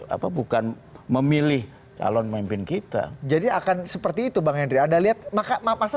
apa bukan memilih calon memimpin kita jadi akan seperti itu bang hendri ada lihat maka maaf masa